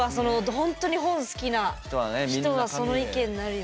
本当に本好きな人はその意見になるよ。